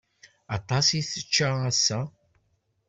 Aṭas i tečča ass-a.